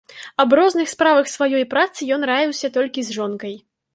Аб розных справах сваёй працы ён раіўся толькі з жонкай.